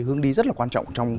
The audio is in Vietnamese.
hướng đi rất là quan trọng trong